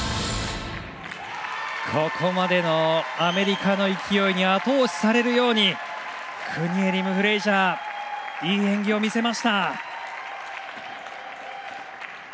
ここまでのアメリカの勢いにあと押しされるようにクニエリム、フレイジャーいい演技を見せました。